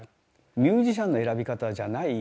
ミュージシャンの選び方じゃない。